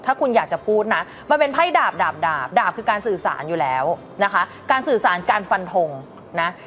ถ้าคุณอยากจะพูดนะมันเป็นไพ่ดาบดาบดาบคือการสื่อสารอยู่แล้วนะคะการสื่อสารการฟันทงนะ